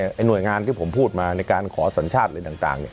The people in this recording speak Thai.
หน่วยงานที่ผมพูดมาในการขอสัญชาติอะไรต่าง